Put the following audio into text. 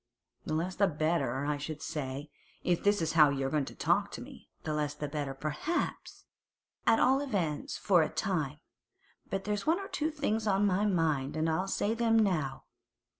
'The less the better, I should say, if this is how you're going to talk to me.' 'The less the better, perhaps—at all events for a time. But there's one or two things on my mind, and I'll say them now.